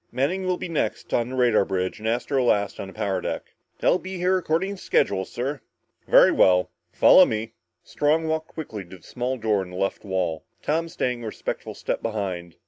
Manning will be next on the radar bridge and Astro last on the power deck." "They'll be here according to schedule, sir." "Very well. Follow me." Strong walked quickly to the small door in the left wall, Tom staying a respectful step behind.